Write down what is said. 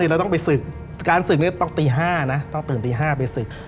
เพราะเช้าเราต้องไปศึก